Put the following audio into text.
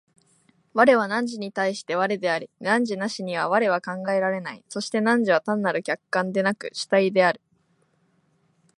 我は汝に対して我であり、汝なしには我は考えられない、そして汝は単なる客観でなく主体である。